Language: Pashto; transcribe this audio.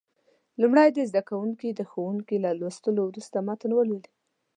لومړی دې زده کوونکي د ښوونکي له لوستلو وروسته متن ولولي.